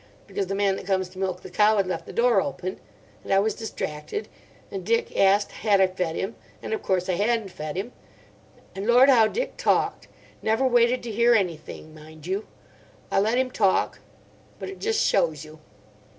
Because the man that comes to milk the cow had left the door open. And I was distracted. And Dick asked had I fed him. And of course I hadn't fed him. And lord how Dick talked. Never waited to hear anything, mind you. I let him talk. But it just shows you.